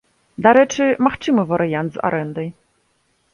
Дарэчы, магчымы варыянт з арэндай.